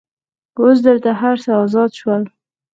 اوس دلته هر څه آزاد شول.